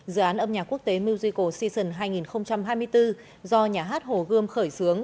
dự án âm nhạc quốc tế musical season hai nghìn hai mươi bốn do nhà hát hồ gươm khởi xướng